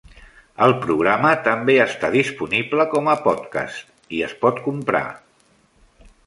El programa també està disponible com a podcast, i es pot comprar.